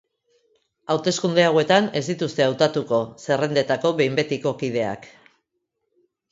Hauteskunde hauetan ez dituzte hautatuko zerrendetako behin betiko kideak.